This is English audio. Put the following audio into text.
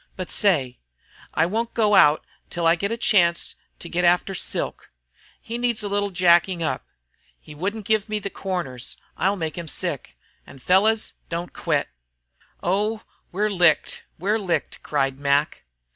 But say, I won't go out till I get a chance to get after Silk. He needs a little jacking up. He wouldn't give me the corners. I'll make him sick. And, fellows, don't quit." "Oh! we're licked! We're licked!" cried Mac.